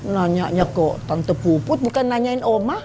nanya kok tante puput bukan nanyain oma